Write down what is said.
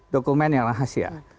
dokumen yang rahasia